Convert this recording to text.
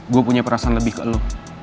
gue punya perasaan lebih ke lu